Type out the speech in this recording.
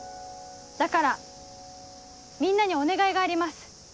だからみんなにお願いがあります。